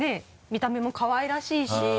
見た目もかわいらしいし。